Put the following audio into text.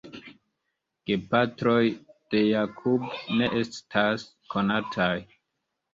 Gepatroj de Jakub ne estas konataj.